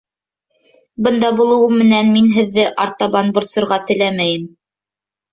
Бында булыуым менән мин һеҙҙе артабан борсорға теләмәйем